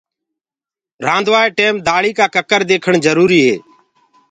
رآندوآ ٽيم دآݪي ڪآ ڪڪر ديکڻ جروري هي۔